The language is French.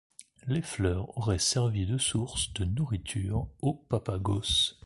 Les fleurs auraient servi de source de nourriture aux Papagos.